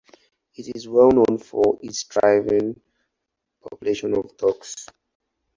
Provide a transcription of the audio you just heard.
It is well known for its thriving population of ducks.